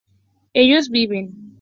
ellos viven